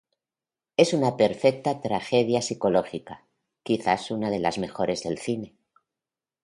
Es una perfecta tragedia psicológica, quizá una de las mejores del cine.